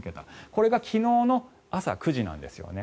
これが昨日の朝９時なんですよね。